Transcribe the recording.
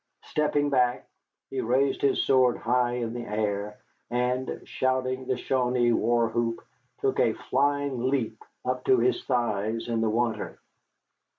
Stepping back, he raised his sword high in the air, and, shouting the Shawanee war whoop, took a flying leap up to his thighs in the water.